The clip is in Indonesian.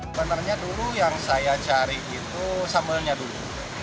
sebenarnya dulu yang saya cari itu sambalnya dulu